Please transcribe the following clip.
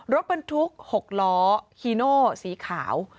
รถบรรทุก๖ล้อฮีโนสีขาว